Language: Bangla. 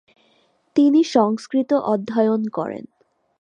তিনি সংস্কৃত অধ্যয়ন করেন।